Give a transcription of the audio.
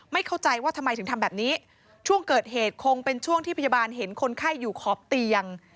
เข้าใจว่าทำไมถึงทำแบบนี้ช่วงเกิดเหตุคงเป็นช่วงที่พยาบาลเห็นคนไข้อยู่ขอบเตียง